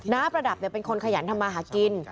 ประดับเป็นคนขยันทำมาหากิน